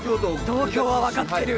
東京は分かってる。